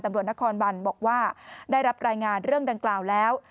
ตำรวจนครบันบอกว่าได้รับรายงานเรื่องดังกล่าวแล้ว